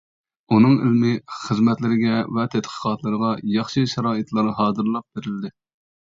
ئۇنىڭ ئىلمىي خىزمەتلىرىگە ۋە تەتقىقاتلىرىغا ياخشى شارائىتلار ھازىرلاپ بېرىلدى.